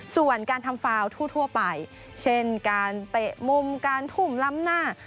ส่วนการทำฟาวทั่วไปเช่นการเตะมุมการทุ่มล้ำหน้า